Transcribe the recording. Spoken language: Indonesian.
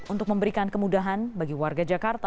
untuk memberikan kemudahan bagi warga jakarta